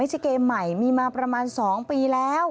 เกมใหม่มีมาประมาณ๒ปีแล้ว